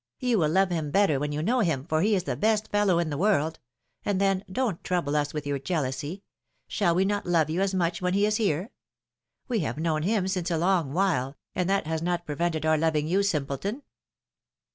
^^You will love him better when you know him, for he is the best fellow in the world I And then, don't trouble us with your jealousy ! Shall we not love you as much when he is here? We have known him since a long while, and that has not prevented our loving you, simpleton